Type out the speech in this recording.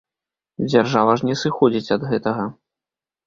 Дзяржава ж не сыходзіць ад гэтага.